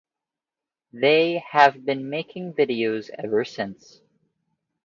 They have been making videos ever since.